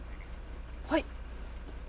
はい。